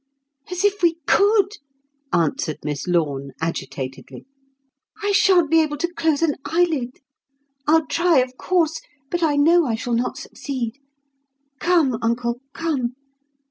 "As if we could," answered Miss Lorne agitatedly. "I shan't be able to close an eyelid. I'll try, of course, but I know I shall not succeed. Come, uncle, come!